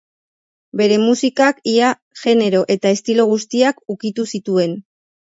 Bere musikak ia genero eta estilo guztiak ukitu zituen.